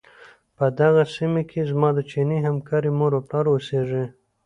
په دغې سيمې کې زما د چيني همکارې مور او پلار اوسيږي.